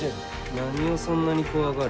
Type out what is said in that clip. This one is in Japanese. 何をそんなに怖がる？